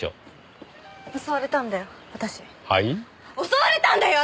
襲われたんだよ！